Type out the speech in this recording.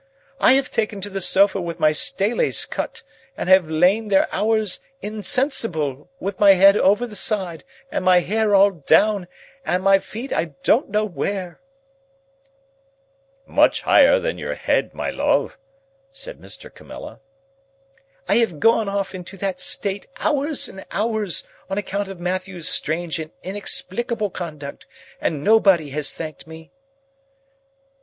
I have taken to the sofa with my staylace cut, and have lain there hours insensible, with my head over the side, and my hair all down, and my feet I don't know where—" ("Much higher than your head, my love," said Mr. Camilla.) "I have gone off into that state, hours and hours, on account of Matthew's strange and inexplicable conduct, and nobody has thanked me."